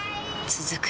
続く